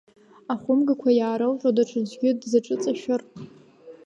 Ахәымгақәа иаарылҟьо даҽаӡәгьы дзаҿыҵашәар!